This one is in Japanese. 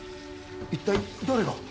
一体誰が！？